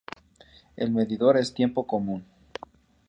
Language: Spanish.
El medidor es tiempo común.